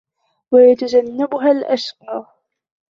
ويتجنبها الأشقى